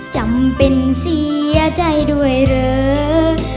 จำเป็นเสียใจด้วยหรือ